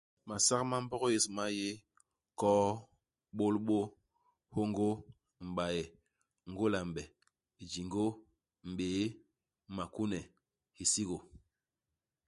Masak ma Mbog yés ma yé, koo, bôlbô, hôngô, m'baye, ngôla-m'be, hijingô, m'bé'é, makune, hisigô.